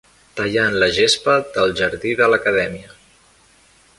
Tallant la gespa del jardí de l'Acadèmia.